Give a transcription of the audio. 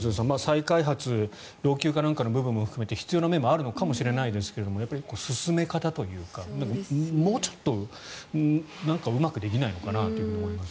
再開発老朽化なんかの面も含めて必要な面もあるのかもしれませんがやっぱり進め方というかもうちょっとうまくできないのかなと思います。